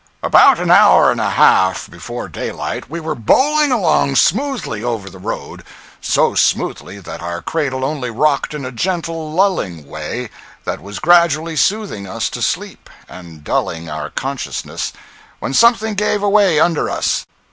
About an hour and a half before daylight we were bowling along smoothly over the road—so smoothly that our cradle only rocked in a gentle, lulling way, that was gradually soothing us to sleep, and dulling our consciousness—when something gave away under us!